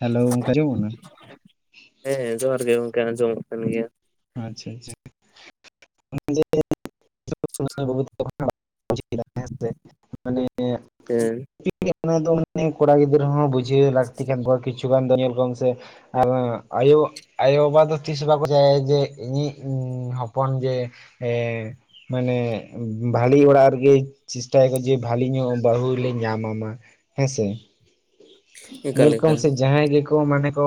Hello ᱟᱸᱡᱚᱢᱚᱜ ᱠᱟᱱᱟ ᱦᱮᱸ ᱡᱚᱦᱟᱨ ᱜᱮ ᱜᱚᱝᱠᱮ ᱟᱸᱡᱚᱢᱚᱜ ᱠᱟᱱ ᱜᱮᱭᱟ ᱟᱪᱪᱷᱟ ᱟᱪᱪᱷᱟ [unintelligible] [unintelligible] ᱦᱮᱸ ᱥᱮ ᱢᱟᱱᱮ ᱦᱮᱸ [unintelligible] ᱠᱚᱲᱟ ᱜᱤᱫᱽᱨᱟᱹ ᱦᱚᱸ ᱵᱩᱡᱷᱟᱹᱣ ᱞᱟᱹᱠᱛᱤ ᱠᱟᱱ ᱠᱚᱣᱟ ᱠᱤᱪᱷᱩ ᱜᱟᱱ ᱫᱚ ᱧᱮᱞ ᱠᱚᱢ ᱥᱮ ᱟᱨ ᱟᱭᱳ ᱟᱭᱳ ᱵᱟᱵᱟ ᱫᱚ ᱛᱤᱥ ᱵᱟᱠᱚ ᱪᱟᱭᱼᱼᱼ ᱡᱮ ᱤᱧᱤᱡ ᱦᱚᱯᱚᱱ ᱡᱮ ᱮ ᱢᱟᱱᱮ ᱵᱷᱟᱞᱤ ᱚᱲᱟᱜ ᱨᱮᱜᱮ ᱪᱮᱥᱴᱟᱭᱟᱠᱚ ᱡᱮ ᱵᱷᱟᱞᱤ ᱧᱚᱜ ᱵᱟᱹᱦᱩ ᱞᱤᱧ ᱧᱟᱢᱟᱢᱟ ᱦᱮᱸᱥᱮ ᱮᱠᱟᱞ ᱧᱮᱞ ᱠᱚᱢ ᱮᱠᱟᱞ ᱥᱮ ᱡᱟᱦᱟᱸᱭ ᱜᱮᱠᱚ ᱠᱚ ᱢᱟᱱᱮ ᱠᱚ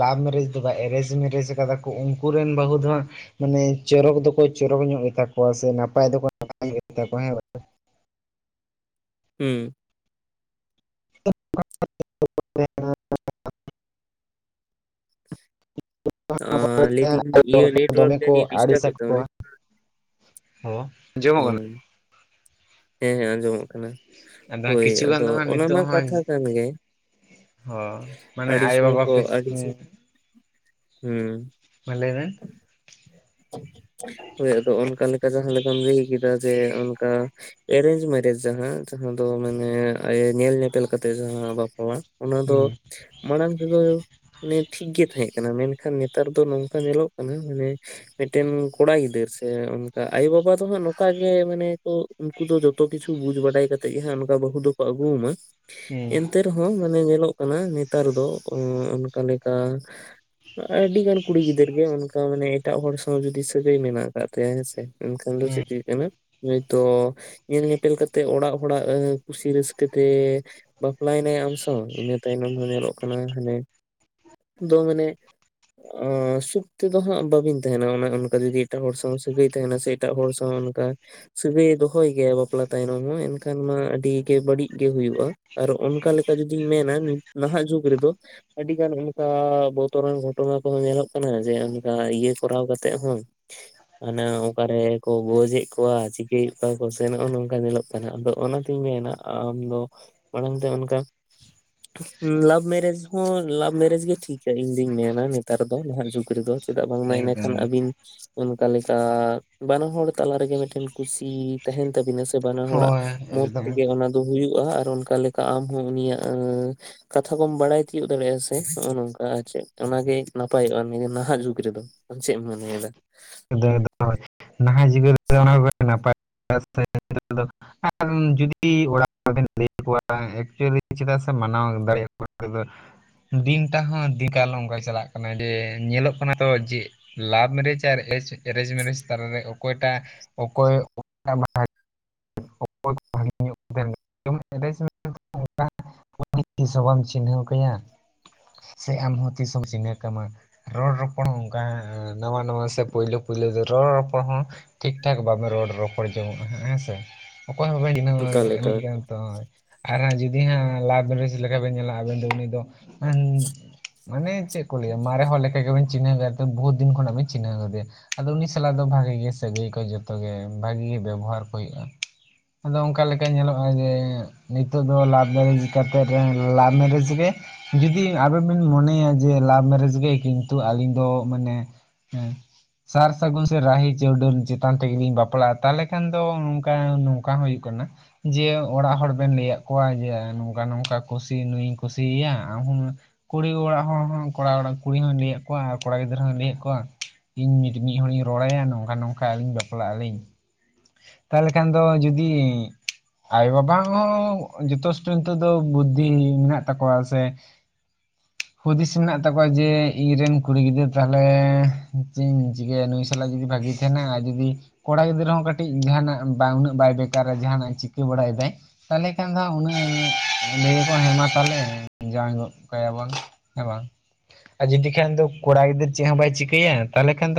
ᱞᱟᱵᱷ ᱢᱮᱨᱮᱡᱽ ᱫᱚ ᱵᱟᱝ ᱮᱨᱮᱡᱽ ᱢᱮᱨᱮᱡᱽ ᱟᱠᱟᱫᱟ ᱠᱚ ᱩᱱᱠᱮᱱ ᱵᱟᱹᱦᱩ ᱫᱚ ᱢᱟᱱᱮ ᱪᱚᱨᱚᱠ ᱫᱚᱠᱚ ᱪᱚᱨᱚᱠ ᱧᱚᱜ ᱜᱮᱛᱟ ᱠᱚᱣᱟ ᱥᱮ ᱱᱟᱯᱟᱭ ᱫᱚᱠᱚ ᱱᱟᱯᱟᱭ ᱧᱚᱜ ᱜᱮᱭᱟ ᱠᱚᱣᱟ ᱦᱮᱸ ᱵᱟᱼᱼ ᱦᱩᱸ [unintelligible] ᱟᱨ ᱞᱟᱹᱭᱫᱟᱹᱧ ᱤᱭᱟᱹ [unintelligible] ᱱᱮᱴᱣᱟᱨᱠ ᱫᱚᱢᱮ ᱠᱚ ᱡᱟᱹᱱᱤᱡ ᱟᱹᱲᱤᱥ ᱰᱤᱥᱴᱟᱵ ᱮᱫ ᱟᱠᱚᱣᱟ ᱛᱟᱢᱟᱭ ᱦᱚ ᱦᱮᱸ ᱦᱮᱸ ᱟᱸᱡᱚᱢᱚᱜ ᱠᱟᱱᱟ ᱟᱫᱚ ᱦᱳᱭ ᱠᱤᱪᱷᱩ ᱜᱟᱱ ᱟᱫᱚ ᱫᱚ ᱦᱟᱸᱜ ᱚᱱᱟ ᱢᱟ ᱱᱤᱛᱚᱜ ᱦᱚᱸ ᱠᱟᱛᱷᱟ ᱠᱟᱱ ᱜᱮ ᱦᱚᱸ ᱢᱟᱱᱮ ᱟᱹᱰᱤ ᱟᱭ ᱥᱚᱢᱚᱭ ᱵᱟᱵᱟ ᱠᱚ ᱟᱹᱰᱤ [unintelligible] ᱦᱩᱸ ᱢᱟ ᱞᱟᱹᱭ ᱵᱮᱱ ᱾ ᱦᱳᱭ ᱟᱫᱚ ᱚᱱᱠᱟ ᱞᱮᱠᱟ ᱡᱟᱦᱟᱸ ᱞᱮᱠᱟᱢ ᱞᱟᱹᱭ ᱠᱮᱫᱟ ᱡᱮ ᱚᱱᱠᱟ ᱾ ᱮᱨᱮᱧᱡᱽ ᱢᱮᱨᱮᱡᱽ ᱡᱟᱦᱟᱸ ᱡᱟᱦᱟᱸ ᱫᱚ ᱢᱟᱱᱮ ᱧᱮᱞ ᱧᱮᱯᱮᱞ ᱠᱟᱛᱮ ᱡᱟᱦᱟᱸ ᱵᱟᱯᱞᱟ ᱾ ᱚᱱᱟ ᱫᱚ ᱦᱩᱸ ᱢᱟᱲᱟᱝ ᱛᱮᱫᱚ ᱢᱟᱱᱮ ᱴᱷᱤᱠ ᱜᱮ ᱛᱟᱦᱮᱸ ᱠᱟᱱᱟ ᱢᱮᱱᱠᱷᱟᱱ ᱱᱮᱛᱟᱨ ᱫᱚ ᱱᱚᱝᱠᱟ ᱧᱮᱞᱚᱜ ᱠᱟᱱᱟ ᱢᱟᱱᱮ ᱢᱤᱫ ᱴᱮᱱ ᱠᱚᱲᱟ ᱜᱤᱫᱟᱹᱨ ᱥᱮ ᱚᱱᱠᱟ ᱟᱭᱳᱼᱵᱟᱵᱟ ᱫᱚ ᱦᱟᱸᱜ ᱱᱚᱝᱠᱟ ᱜᱮ ᱢᱟᱱᱮ ᱩᱱᱠᱩ ᱫᱚ ᱡᱚᱛᱚ ᱠᱤᱪᱷᱩ ᱵᱩᱡ ᱵᱟᱰᱟᱭ ᱠᱟᱛᱮᱜ ᱜᱮ ᱦᱜ ᱚᱱᱠᱟ ᱵᱟᱹᱦᱩ ᱫᱚᱠᱚ ᱟᱹᱜᱩᱣᱟᱢᱟ ᱦᱩᱸ ᱮᱱᱼᱼ ᱮᱛᱮ ᱨᱮᱦᱚᱸ ᱢᱟᱱᱮ ᱧᱮᱞᱚᱜ ᱠᱟᱱᱟ ᱱᱮᱛᱟᱨ ᱫᱚ ᱚᱱᱠᱟ ᱞᱮᱠᱟ ᱟᱹᱰᱤ ᱜᱟᱱ ᱠᱩᱲᱤ ᱜᱤᱫᱽᱟᱹᱨ ᱜᱮ ᱚᱱᱠᱟ ᱢᱟᱱᱮ ᱮᱴᱟᱜ ᱦᱚᱲ ᱥᱟᱶ ᱡᱩᱫᱤ ᱥᱟᱹᱜᱟᱹᱭ ᱢᱮᱱᱟᱜ ᱟᱠᱟᱫ ᱛᱟᱭᱟ ᱦᱮᱸᱥᱮ ᱮᱱᱠᱷᱟᱱ ᱫᱚ ᱦᱩᱸ ᱪᱮᱫ ᱦᱩᱭᱩᱜ ᱠᱟᱱᱟ ᱦᱳᱭ ᱛᱚ ᱧᱮᱞ ᱧᱮᱯᱮᱞ ᱠᱟᱛᱮᱜ ᱚᱲᱟᱜ ᱦᱚᱲᱟᱜ ᱠᱩᱥᱤ ᱨᱟᱹᱥᱠᱟᱹᱛᱮ ᱵᱟᱯᱞᱟᱭᱮᱱᱟᱭ ᱟᱢ ᱥᱚ ᱤᱱᱟᱹ ᱛᱟᱭᱱᱚᱢ ᱦᱚᱸ ᱧᱮᱞᱚᱜ ᱠᱟᱱᱟ ᱦᱟᱱᱮ ᱫᱚ ᱢᱟᱱᱮ ᱥᱩᱠ ᱛᱮᱫᱚ ᱦᱟᱸᱜ ᱵᱟᱹᱵᱤᱱ ᱛᱟᱦᱮᱱᱟ ᱚᱱᱮ ᱚᱱᱠᱟ ᱡᱩᱫᱤ ᱮᱴᱟᱜ ᱦᱚᱲ ᱥᱟᱶ ᱥᱟᱹᱜᱟᱹᱭ ᱛᱟᱦᱮᱱᱟ ᱥᱮ ᱮᱴᱟᱜ ᱦᱚᱲ ᱥᱟᱶ ᱚᱱᱠᱟ ᱥᱟᱹᱜᱟᱹᱭ ᱫᱚᱦᱚᱭ ᱜᱮᱭᱟ ᱵᱟᱯᱞᱟ ᱛᱟᱭᱱᱚᱢ ᱦᱚᱸ ᱮᱱᱠᱷᱟᱱ ᱢᱟ ᱟᱹᱰᱤᱜ ᱵᱟᱹᱲᱤᱡ ᱜᱮ ᱦᱩᱭᱩᱜᱼᱟ ᱟᱨ ᱚᱱᱠᱟ ᱞᱮᱠᱟ ᱡᱩᱫᱤᱧ ᱢᱮᱱᱟ ᱱᱟᱦᱟᱜ ᱡᱩᱜᱽ ᱨᱮᱫᱚ ᱟᱹᱰᱤ ᱜᱟᱱ ᱚᱱᱠᱟ ᱵᱚᱛᱚᱨᱟᱱ ᱜᱷᱚᱴᱚᱱᱟ ᱠᱚᱦᱚᱸ ᱧᱮᱞᱚᱜ ᱠᱟᱱᱟ ᱡᱮ ᱚᱱᱠᱟ ᱤᱭᱟᱹ ᱠᱚᱨᱟᱣ ᱠᱟᱛᱮᱜ ᱦᱚᱸ ᱦᱟᱱᱮ ᱚᱠᱟᱨᱮ ᱠᱚ ᱜᱚᱡᱮᱫ ᱠᱚᱣᱟ ᱪᱤᱠᱟᱹᱭᱮᱫ ᱠᱚᱣᱟ ᱠᱚ ᱥᱮ ᱱᱚᱜᱚ ᱱᱚᱝᱠᱟ ᱧᱮᱞᱚᱜ [unintelligible] ᱚᱱᱟᱛᱤᱧ ᱢᱮᱱᱟ ᱟᱢᱫᱚ ᱢᱟᱲᱟᱝ ᱛᱮ ᱚᱱᱠᱟ ᱦᱩᱸ ᱞᱟᱵᱽ ᱢᱮᱨᱮᱡᱽ ᱦᱚᱸ ᱞᱟᱵᱽ ᱢᱮᱨᱮᱡᱽ ᱜᱮ ᱴᱷᱤᱠᱟ ᱤᱧ ᱫᱩᱧ ᱢᱮᱱᱟ ᱱᱮᱛᱟᱨ ᱫᱚ ᱱᱟᱦᱟᱜ ᱡᱩᱜᱽ ᱨᱮᱫᱚ᱾ ᱪᱮᱫᱟᱜ ᱵᱟᱝᱢᱟ ᱮᱱᱮᱠᱷᱟᱱ ᱮᱠᱫᱚᱢ ᱟᱹᱵᱤᱱ ᱚᱱᱠᱟ ᱞᱮᱠᱟ ᱵᱟᱱᱟ ᱦᱚᱲ ᱛᱟᱞᱟ ᱨᱮᱜᱮ ᱢᱤᱫᱴᱮᱱ ᱠᱩᱥᱤ ᱛᱟᱦᱮᱱ ᱛᱟᱵᱤᱱᱟ ᱥᱮ ᱵᱟᱱᱟ ᱦᱚᱲᱟᱜ ᱦᱳᱭ ᱢᱚᱛ ᱮᱠᱫᱚᱢ ᱛᱮᱜᱮ ᱚᱱᱟ ᱫᱚ ᱦᱩᱭᱩᱜ-ᱟ, ᱟᱨ ᱚᱱᱠᱟ ᱞᱮᱠᱟ ᱟᱢᱦᱚᱸ ᱩᱱᱤᱭᱟᱜ ᱮᱸ ᱠᱟᱛᱷᱟ ᱠᱚᱢ ᱵᱟᱲᱟᱭ ᱛᱤᱭᱳᱜ ᱫᱟᱲᱮᱭᱟᱜ-ᱟ, ᱥᱮ ᱦᱚᱜᱚ ᱱᱚᱝᱠᱟ ᱟᱨ ᱪᱮᱫ ᱚᱱᱟᱜᱮ ᱱᱟᱯᱟᱭᱚᱜ-ᱟ ᱱᱤᱭᱟᱹ ᱱᱟᱦᱟᱜ ᱡᱩᱜᱽ ᱨᱮᱫᱚ᱾ ᱟᱢ ᱪᱮᱜ ᱮᱢ ᱢᱚᱱᱮᱭᱫᱟ? ᱮᱠᱫᱚᱢ ᱮᱠᱫᱚᱢ [unintelligible] [unintelligible] ᱮᱠᱪᱩᱭᱮᱞᱤ ᱪᱮᱫᱟᱜ ᱥᱮ ᱢᱟᱱᱟᱣ ᱫᱟᱲᱮ [unintelligible] ᱫᱤᱱᱴᱟᱜ ᱦᱚᱸ ᱫᱤᱠᱟᱞ ᱚᱝᱠᱟ ᱪᱟᱞᱟᱜ ᱠᱟᱱᱟ, ᱡᱮ ᱧᱮᱞᱚᱜ ᱠᱟᱱᱟ ᱛᱚ ᱡᱮ ᱞᱟᱵᱽ ᱢᱮᱨᱮᱡᱽ ᱟᱨ ᱮᱡᱽ ᱮᱨᱮᱡᱽ ᱢᱮᱨᱮᱡᱽ ᱛᱟᱞᱟᱨᱮ ᱚᱠᱚᱭᱴᱟᱜ ᱚᱠᱚᱭ [unintelligible] [unintelligible] [unintelligible] ᱛᱤᱥ ᱦᱚᱸ ᱵᱟᱢ ᱪᱤᱱᱦᱟᱹᱣ ᱠᱟᱭᱟ᱾ ᱥᱮ ᱟᱢ ᱦᱚᱸ ᱛᱤᱥᱦᱚᱢ ᱪᱤᱱᱦᱟᱹᱣ ᱠᱟᱢᱟ, ᱨᱚᱲ ᱨᱚᱯᱚᱲ ᱦᱚᱸ ᱚᱝᱠᱟ ᱱᱟᱣᱟ ᱱᱟᱣᱟ ᱥᱮ ᱯᱩᱭᱞᱳ ᱯᱩᱭᱞᱟᱹ ᱫᱚ ᱨᱚᱲ ᱨᱚᱯᱚᱲ ᱦᱚᱸ ᱴᱷᱤᱠ ᱴᱷᱟᱠ ᱵᱟᱵᱮ ᱨᱚᱲ ᱨᱚᱯᱚᱲ ᱡᱚᱝᱚᱜ-ᱟ ᱦᱮᱸᱥᱮ᱾ ᱚᱠᱚᱭ ᱦᱚᱸ ᱵᱟᱵᱮᱱ ᱚᱱᱠᱟ ᱞᱮᱠᱟ [unintelligible] ᱛᱚ ᱟᱨ ᱡᱩᱫᱤ ᱦᱟᱸᱜ ᱞᱟᱵᱽ ᱢᱮᱨᱮᱡᱽ ᱞᱮᱠᱟ ᱵᱮᱱ ᱧᱮᱞᱟ ᱟᱹᱵᱮᱱ ᱫᱚ ᱩᱱᱤ ᱫᱚ ᱢᱟᱱᱮ ᱪᱮᱫ ᱠᱚ ᱞᱟᱹᱭᱟ ᱢᱟᱨᱮ ᱦᱚᱲ ᱞᱮᱠᱟ ᱜᱮᱵᱮᱱ ᱪᱤᱱᱦᱟᱹᱣᱮ ᱜᱮᱭᱟ ᱛᱚ ᱵᱩᱦᱩᱛ ᱫᱤᱱ ᱠᱷᱚᱱᱟᱜ ᱵᱤᱱ ᱪᱤᱱᱦᱟᱹᱣ ᱜᱚᱫᱮᱭ-ᱟ᱾ ᱟᱫᱚ ᱩᱱᱤ ᱥᱟᱞᱟᱜ ᱫᱚ ᱵᱷᱟᱜᱮ ᱜᱮ ᱥᱟᱹᱜᱟᱹᱭ ᱠᱚ ᱡᱚᱛᱚ ᱜᱮ ᱵᱷᱟᱜᱤ ᱜᱮ ᱵᱮᱵᱚᱦᱟᱨ ᱠᱚ ᱦᱩᱭᱩᱜ-ᱟ᱾ ᱟᱫᱚ ᱚᱝᱠᱟ ᱞᱮᱠᱟ ᱧᱮᱞᱚᱜ-ᱟ ᱡᱮ ᱱᱤᱛᱳᱜ ᱫᱚ ᱞᱟᱵᱽ ᱢᱮᱨᱮᱡᱽ ᱠᱟᱛᱮᱫ ᱨᱮ ᱞᱟᱵᱽ ᱢᱮᱨᱮᱡᱽ ᱜᱮ ᱡᱩᱫᱤ ᱟᱵᱮᱱ ᱵᱮᱱ ᱢᱚᱱᱮᱭᱟ ᱡᱮ ᱞᱟᱵᱽ ᱢᱮᱨᱮᱡᱽ ᱜᱮ ᱠᱤᱱᱛᱩ ᱟᱹᱞᱤᱧ ᱫᱚ ᱢᱟᱱᱮ ᱦᱩᱸ ᱥᱟᱨ ᱥᱟᱹᱜᱩᱱ ᱥᱮ ᱨᱟᱦᱤ ᱪᱟᱹᱣᱰᱟᱹᱞ ᱪᱮᱛᱟᱱ ᱛᱮᱜᱮᱞᱤᱧ ᱵᱟᱯᱞᱟᱜ-ᱟ ᱛᱟᱦᱞᱮ ᱠᱷᱟᱱ ᱫᱚ ᱚᱝᱠᱟ ᱱᱚᱝᱠᱟ ᱦᱚᱸ ᱦᱩᱭᱩᱜ ᱠᱟᱱᱟ᱾ ᱡᱮ ᱚᱲᱟᱜ ᱦᱚᱲ ᱵᱮᱱ ᱞᱟᱹᱭᱟᱜ ᱠᱚᱣᱟ, ᱡᱮ ᱱᱚᱝᱠᱟ ᱱᱚᱝᱠᱟ ᱠᱩᱥᱤ ᱱᱩᱭᱤᱧ ᱠᱩᱥᱤᱭᱮᱭ-ᱟ ᱟᱢ ᱦᱚᱢ ᱠᱩᱲᱤ ᱚᱲᱟᱜ ᱦᱚᱲ ᱦᱚᱸ ᱠᱚᱲᱟ ᱚᱲᱟᱜ ᱠᱩᱲᱤ ᱦᱚᱸᱭ ᱞᱟᱹᱭᱟᱫ ᱠᱚᱣᱟ ᱟᱨ ᱠᱚᱲᱟ ᱜᱤᱫᱽᱨᱟᱹ ᱦᱚᱭ ᱞᱟᱹᱭᱟᱫ ᱠᱚᱣᱟ ᱤᱧ ᱢᱤ ᱢᱤᱫ ᱦᱚᱲᱤᱧ ᱨᱚᱲᱟᱭᱟ ᱱᱚᱝᱠᱟ ᱱᱚᱝᱠᱟ ᱟᱹᱞᱤᱧ ᱵᱟᱯᱞᱟᱜ ᱟᱹᱞᱤᱧ᱾ ᱛᱟᱞᱦᱮ ᱠᱷᱟᱱ ᱫᱚ ᱡᱩᱫᱤ ᱟᱭᱳ ᱵᱟᱵᱟ ᱦᱚᱸ ᱡᱚᱛᱷᱚᱥᱴᱚ ᱱᱤᱛᱳᱜ ᱫᱚ ᱵᱩᱫᱽᱷᱤ ᱢᱮᱱᱟᱜ ᱛᱟᱠᱚᱣᱟ ᱥᱮ ᱦᱩᱫᱤᱥ ᱢᱮᱱᱟᱜ ᱛᱟᱠᱚᱣᱟ ᱡᱮ ᱤᱧ ᱨᱮᱱ ᱠᱩᱲᱤ ᱜᱤᱫᱽᱨᱟᱹ ᱛᱟᱦᱟᱞᱮ [unintelligible] ᱪᱤᱠᱟᱹᱭᱟ ᱱᱩᱭ ᱥᱟᱞᱟᱜ ᱡᱩᱫᱤ ᱵᱷᱟᱹᱜᱤ ᱛᱟᱦᱮᱱᱟ, ᱡᱩᱫᱤ ᱠᱚᱲᱟ ᱜᱤᱫᱽᱨᱟᱹ ᱦᱚᱸ ᱠᱟᱹᱴᱤᱡ ᱡᱟᱦᱟᱱᱟᱜ ᱵᱟ ᱩᱱᱟᱹᱜ ᱵᱟᱭ ᱵᱮᱠᱟᱨᱟ ᱡᱟᱦᱟᱱᱟᱜᱮ ᱪᱤᱠᱟᱹ ᱵᱟᱲᱟᱭᱫᱟᱭ ᱛᱟᱞᱦᱮ ᱠᱷᱟᱱ ᱫᱚ ᱦᱟᱸᱜ ᱩᱱᱟᱹᱜ ᱞᱟᱹᱭᱟᱠᱚ ᱦᱮᱸ ᱢᱟ ᱛᱟᱦᱟᱞᱮ ᱡᱟᱣᱟ ᱜᱚᱫ ᱠᱟᱭᱟ ᱵᱚᱱ᱾ ᱦᱮᱸ ᱵᱟᱝ ᱟᱨ ᱡᱩᱫᱤ ᱠᱷᱟᱱ ᱫᱚ ᱠᱚᱲᱟ ᱜᱤᱫᱽᱨᱟᱹ ᱪᱮᱫ ᱦᱚᱸ ᱵᱟᱭ ᱪᱤᱠᱟᱹᱭᱟ ᱛᱟᱦᱟᱞᱮ ᱠᱷᱟᱱ ᱫᱚ